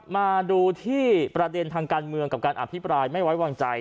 มาดูที่ประเด็นทางการเมืองกับการอภิปรายไม่ไว้วางใจ